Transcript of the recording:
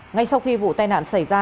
ngay sau khi vụ tai nạn xảy ra